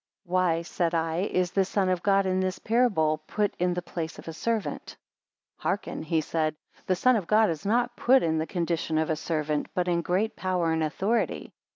Why, said I, is the Son of God in this parable, put in the place of a servant. 50 Hearken, he said: the Son of God is not put in the condition of a servant, but in great power and authority.